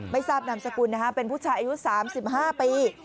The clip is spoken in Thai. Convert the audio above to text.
ไม่ทราบนามสกุลนะฮะเป็นผู้ชายอายุ๓๕ปี